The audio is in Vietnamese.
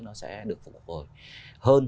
nó sẽ được phục hồi hơn